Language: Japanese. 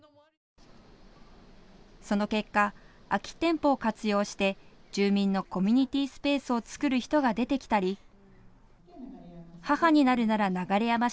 その結果、空き店舗を活用して住民のコミュニティースペースを作る人が出てきたり、母になるなら、流山市。